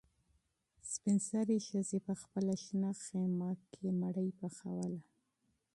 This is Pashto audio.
سپین سرې ښځې په خپله شنه خیمه کې ډوډۍ پخوله.